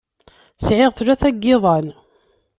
Sɛiɣ tlata n yiḍan.